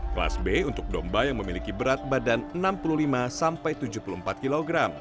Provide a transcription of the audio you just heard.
kelas b untuk domba yang memiliki berat badan enam puluh lima sampai tujuh puluh empat kg